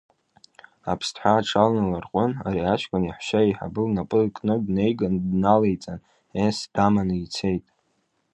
Аԥсҭҳәа аҽыланарҟәын, ари аҷкәын иаҳәшьа еиҳабы лнапы кны днеиган, дналеиҵан, есс, даманы ицеит.